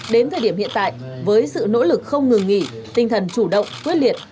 đến thời điểm hiện tại với sự nỗ lực không ngừng nghỉ tinh thần chủ động quyết liệt